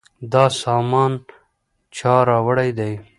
دا سامان چا راوړی دی؟